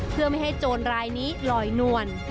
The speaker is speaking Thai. เพื่อไม่ให้โจรรายนี้ลอยนวล